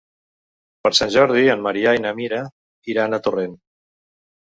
Per Sant Jordi en Maria i na Mira iran a Torrent.